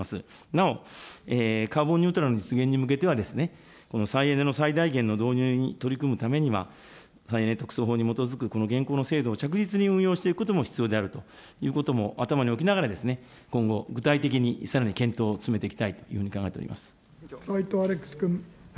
なお、カーボンニュートラルの実現に向けてはこの再エネの最大限の導入に取り組むためには、再エネ特措法に基づくこの現行の制度を着実に運用していくことも必要であるということも頭に置きながらですね、今後、具体的にさらに検討を進めていきたいというふうに考えております。